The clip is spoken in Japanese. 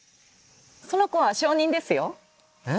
その子は小人ですよ。え？